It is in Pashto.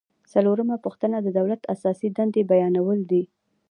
څلورمه پوښتنه د دولت اساسي دندې بیانول دي.